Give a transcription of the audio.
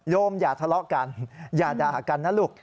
อย่าทะเลาะกันอย่าด่ากันนะลูก